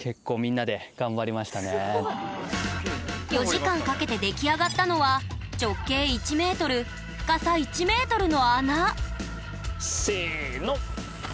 ４時間かけて出来上がったのは直径１ｍ深さ１ｍの穴せの！